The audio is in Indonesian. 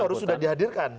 itu harus sudah dihadirkan